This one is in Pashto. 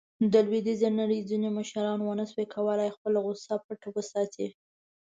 د لویدیځې نړۍ ځینو مشرانو ونه شو کولاې خپله غوصه پټه وساتي.